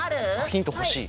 ヒント欲しい。